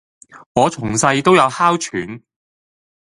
我從細就有哮喘